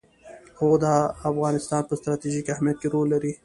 هوا د افغانستان په ستراتیژیک اهمیت کې رول لري.